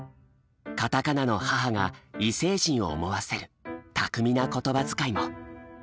カタカナの「ハハ」が異星人を思わせる巧みな言葉づかいも。